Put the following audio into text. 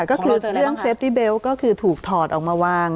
ก็คือเรื่องเซฟตี้เบลต์ก็คือถูกถอดออกมาวาง